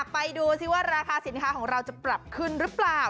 ไปดูซิว่าราคาสินค้าของเราจะปรับขึ้นหรือเปล่า